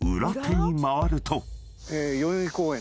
代々木公園。